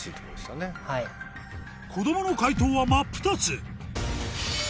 子供の解答は真っ二つ！